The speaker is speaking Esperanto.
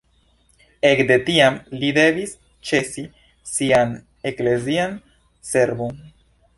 Ekde tiam li devis ĉesi sian eklezian servon.